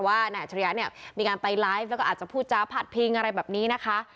นายอัจฉริยะเนี่ยมีการไปไลฟ์แล้วก็อาจจะพูดจ้าผัดพิงอะไรแบบนี้นะคะ